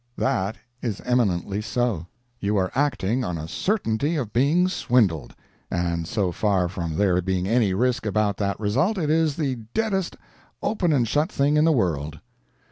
That is eminently so. You are acting on a certainty of being swindled, and so far from there being any risk about that result, it is the deadest "open and shut" thing in the world.